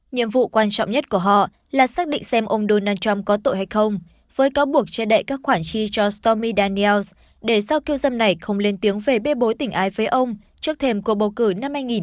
nhiệm vụ quan trọng nhất của họ là xác định xem ông donald trump có tội hay không với cáo buộc che đậy các khoản chi cho stomy daniels để sau kiêu dâm này không lên tiếng về bê bối tỉnh ái với ông trước thềm cuộc bầu cử năm hai nghìn một mươi sáu